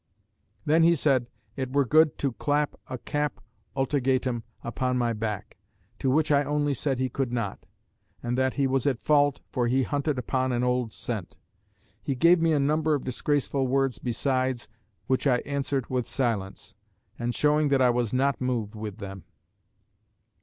"Then he said, it were good to clap a cap. ultegatum upon my back! To which I only said he could not; and that he was at fault, for he hunted upon an old scent. He gave me a number of disgraceful words besides, which I answered with silence, and showing that I was not moved with them."